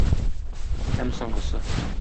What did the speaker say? Һәм соңгысы.